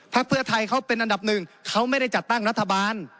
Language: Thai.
เพื่อไทยเขาเป็นอันดับหนึ่งเขาไม่ได้จัดตั้งรัฐบาล